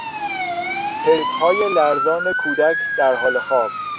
پلکهای لرزان کودک در حال خواب